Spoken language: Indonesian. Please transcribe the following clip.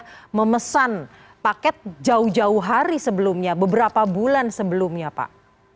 sudah memesan paket jauh jauh hari sebelumnya beberapa bulan sebelumnya pak